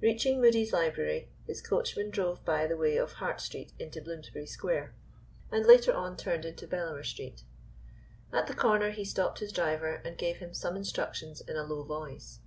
Reaching Mudie's Library, his coachman drove by the way of Hart Street into Bloomsbury Square, and later on turned into Bellamer Street. At the corner he stopped his driver and gave him some instructions in a low voice.